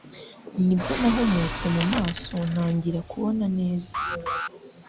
nibwo nahumutse mu maso ntangira kubona neza